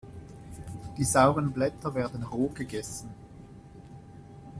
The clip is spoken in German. Die sauren Blätter werden roh gegessen.